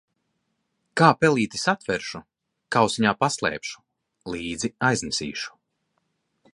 Kā pelīti satveršu, kausiņā paslēpšu, līdzi aiznesīšu.